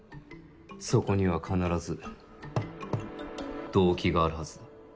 そこには必ず動機があるはずだ。